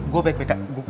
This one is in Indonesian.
gue baik baik aja